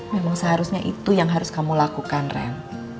memang seharusnya itu yang harus kamu lakukan rem